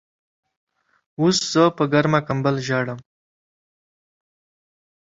اوس زه په ګرمه کمبل کې ژاړم.